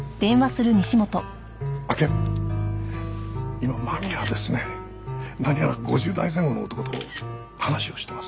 今間宮はですね何やら５０代前後の男と話をしてます。